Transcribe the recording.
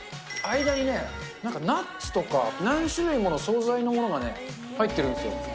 間にね、なんかナッツとか、何種類もの総菜のものが入ってるんですよ。